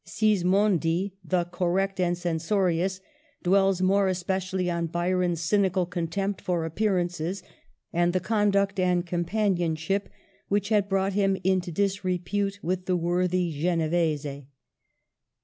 Sismondi — the correct and censorious — dwells more especially on Byron's cynical contempt for appearances, and the conduct and companion ship which had brought him into disrepute with the worthy Genevese.